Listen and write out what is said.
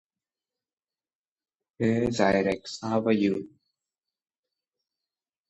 The village of Arthur is in a valley near the county's geographic center.